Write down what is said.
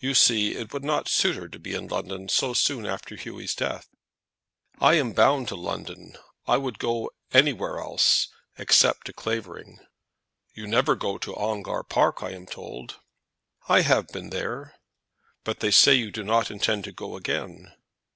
"You see it would not suit her to be in London so soon after Hughy's death." "I am not bound to London. I would go anywhere else, except to Clavering." "You never go to Ongar Park, I am told." "I have been there." "But they say you do not intend to go again."